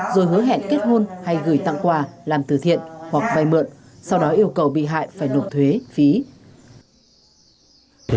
rồi hứa hẹn kết hôn hay gửi tặng quà làm từ thiện hoặc vay mượn sau đó yêu cầu bị hại phải nộp thuế phí